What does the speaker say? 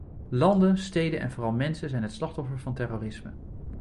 Landen, steden en vooral mensen zijn het slachtoffer van terrorisme.